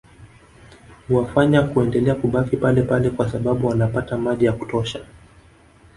Huwafanya kuendelea kubaki palepale kwa sababu wanapata maji ya kutosha